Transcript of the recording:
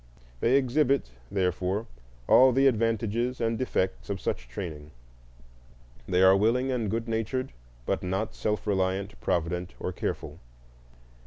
They exhibit, therefore, all the advantages and defects of such training; they are willing and good natured, but not self reliant, provident, or careful.